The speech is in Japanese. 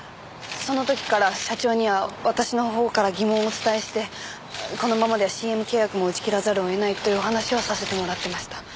その時から社長には私のほうから疑問をお伝えしてこのままではＣＭ契約も打ち切らざるを得ないというお話をさせてもらってました。